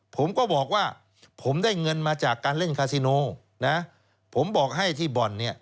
ผมก็บอกว่าผมได้เงินมาจากการเล่นคาซิโนนะผมบอกให้ที่บ่อนเนี่ย